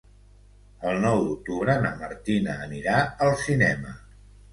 El nou d'octubre na Martina anirà al cinema.